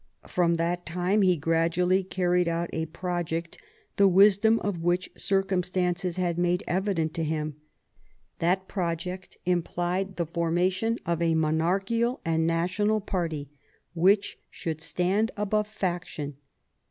From that time he gradually carried out a pro ject the wisdom of which circumstances had made evident to him. That project implied the formation of a monarchical and national party which should stand above faction.